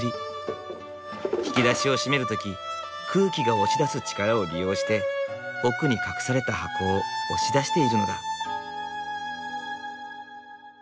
引き出しを閉める時空気が押し出す力を利用して奥に隠された箱を押し出しているのだ。